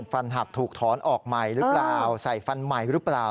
ฟันหักถูกถอนออกใหม่หรือเปล่าใส่ฟันใหม่หรือเปล่า